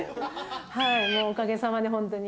はいおかげさまでホントに。